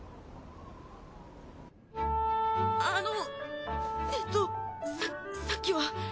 あのえっとささっきは。